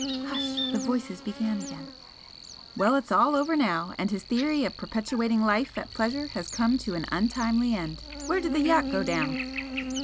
Hush! The voices began again. "Well, it's all over now, and his theory of perpetuating life at pleasure has come to an untimely end. Where did the yacht go down?"